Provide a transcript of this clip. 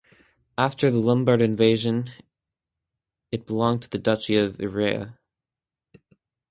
After the Lombard invasion it belonged to the Duchy of Ivrea.